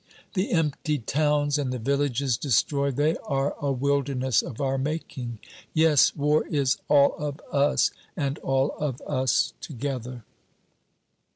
The emptied towns and the villages destroyed, they are a wilderness of our making. Yes, war is all of us, and all of us together."